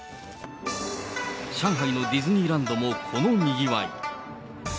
上海のディズニーランドもこのにぎわい。